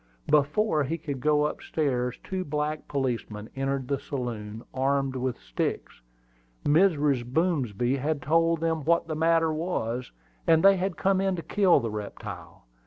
Before he could go up stairs two black policemen entered the saloon, armed with sticks. Mrs. Boomsby had told them what the matter was, and they had come in to kill the reptile.